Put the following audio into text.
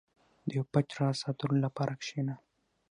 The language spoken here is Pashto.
• د یو پټ راز ساتلو لپاره کښېنه.